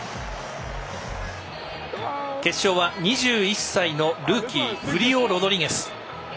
決勝は２１歳のルーキーフリオ・ロドリゲス。